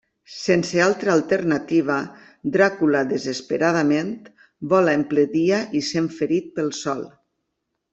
Sense altra alternativa, Dràcula desesperadament vola en ple dia i sent ferit pel sol.